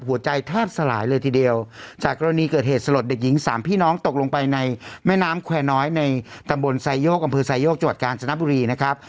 หัวใจแทบสลายเลยทีเดียวจากกรณีเกิดเหตุสลดเด็กหญิงสามพี่น้องตกลงไปในแม่น้ำแควร์น้อยในตำบลไซโยกอำเภอไซโยกจังหวัดกาญจนบุรีนะครับ